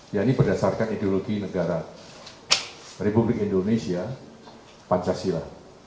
ya ini berdasarkan ideologi negara republik indonesia pancasila